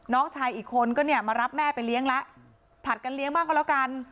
น้องชายอีกคนก็เนี่ยมารับแม่ไปเลี้ยงแล้วผลัดกันเลี้ยงบ้างก็แล้วกัน